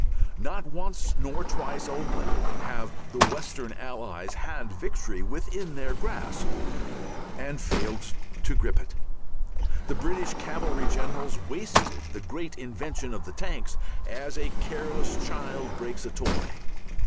Not once nor twice only have the Western Allies had victory within their grasp and failed to grip it. The British cavalry generals wasted the great invention of the tanks as a careless child breaks a toy.